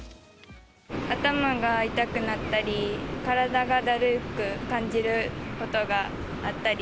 頭が痛くなったり、体がだるく感じることがあったり。